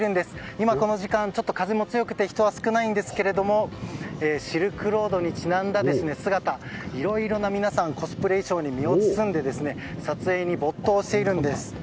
今、この時間風も強くて人は少ないんですがシルクロードにちなんだ姿いろいろなコスプレ衣装に身を包んで撮影に没頭しているんです。